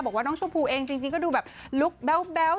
บอกว่าน้องชมพูเองจริงก็ดูแบบลุคแบ๊ว